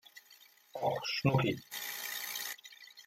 Och, Schnucki!